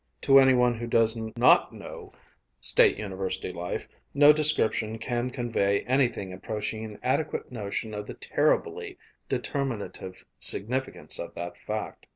To any one who does not know State University life, no description can convey anything approaching an adequate notion of the terribly determinative significance of that fact.